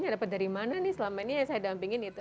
saya dapat dari mana nih selama ini yang saya dampingin itu